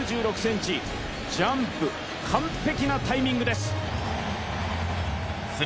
ジャンプ、完璧なタイミングです。